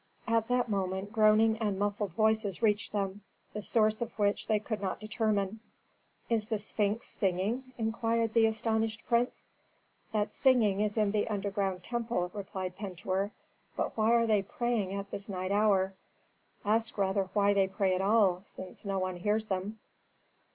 At that moment groaning and muffled voices reached them, the source of which they could not determine. "Is the Sphinx singing?" inquired the astonished prince. "That singing is in the underground temple," replied Pentuer. "But why are they praying at this night hour?" [Illustration: The Great Sphinx] "Ask rather why they pray at all, since no one hears them."